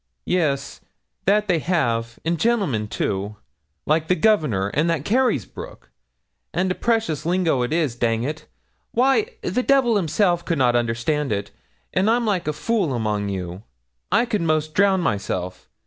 'Yes, that they have, an' gentlemen too like the Governor, and that Carysbroke; and a precious lingo it is dang it why, the devil himself could not understand it; an' I'm like a fool among you. I could 'most drown myself.